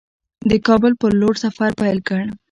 د کابل پر لور سفر پیل کړ.